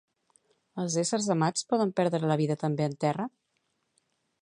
Els éssers amats poden perdre la vida també en terra?